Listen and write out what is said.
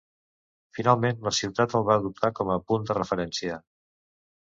Finalment, la ciutat el va adoptar com a punt de referència.